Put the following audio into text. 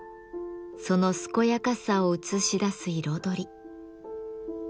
その健やかさをうつしだす彩り。